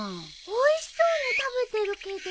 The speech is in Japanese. おいしそうに食べてるけど。